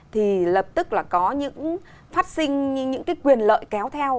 thì lập tức là có những phát sinh những cái quyền lợi kéo theo